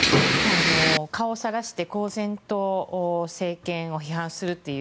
顔をさらして公然と政権を批判するという。